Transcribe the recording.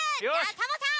サボさん